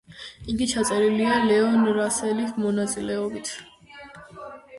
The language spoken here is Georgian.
იგი ჩაწერილია ლეონ რასელის მონაწილეობით.